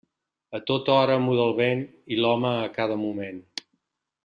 A tota hora muda el vent, i l'home a cada moment.